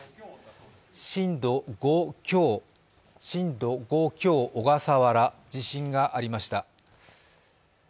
震度５強、小笠原、地震がありました。